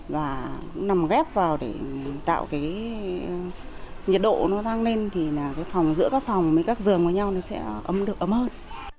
và nằm ghép vào để tạo cái nhiệt độ nó tăng lên thì giữa các phòng với các giường với nhau sẽ ấm được ấm hơn